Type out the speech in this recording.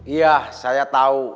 iya saya tahu